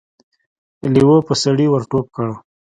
لېوه په سړي ور ټوپ کړ.